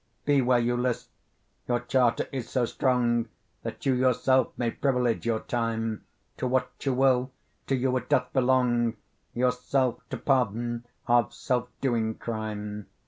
Be where you list, your charter is so strong That you yourself may privilage your time To what you will; to you it doth belong Yourself to pardon of self doing crime.